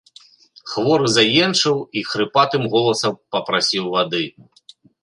Хворы заенчыў і хрыпатым голасам папрасіў вады.